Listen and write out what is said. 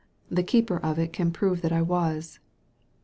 The keeper of it can prove that I was."